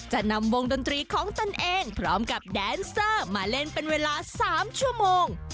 จะนำวงดนตรีของตนเองพร้อมกับแดนเซอร์มาเล่นเป็นเวลา๓ชั่วโมง